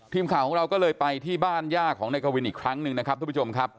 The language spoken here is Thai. ทีมข่าวของเราก็เลยไปที่บ้านย่าของนายกวินอีกครั้งหนึ่งนะครับทุกผู้ชมครับ